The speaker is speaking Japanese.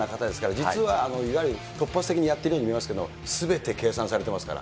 実はいわゆる突発的にやっているように見えますけど、すべて計算されてますから。